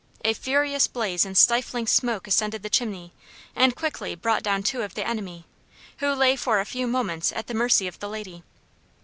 A furious blaze and stifling smoke ascended the chimney, and quickly brought down two of the enemy, who lay for a few moments at the mercy of the lady.